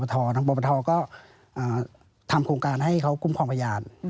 ทางปปทก็ทำโครงการให้เขาคุ้มครองพยาน